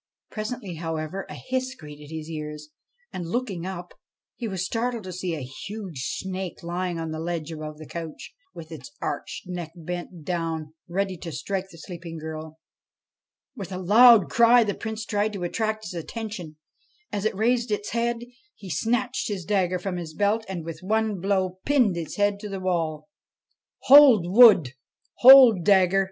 Presently, however, a hiss greeted his ears ; and, looking up, he was startled to see a huge snake lying on the ledge above the couch, with its arched neck bent down ready to strike the sleeping girl. With a loud cry the Prince tried to attract its attention ; then, as it raised its head, he snatched his dagger from his belt, and, with one blow, pinned its head to the wall. ' Hold wood ! Hold dagger